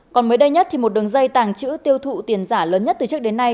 còn mới đây nhất một đường dây tàng trữ tiêu thụ tiền giả lớn nhất từ trước đến nay